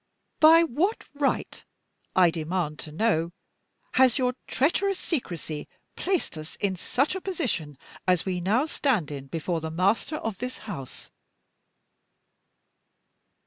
By what right, I demand to know, has your treacherous secrecy placed us in such a position as we now stand in before the master of this house?"